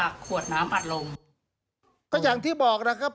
ก็อย่างที่บอกนะครับ